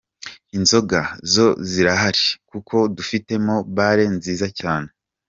Inzoga zo zirahari kuko dufitemo Bar nziza cyane.